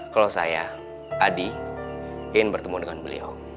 kalau saya adi ingin bertemu dengan beliau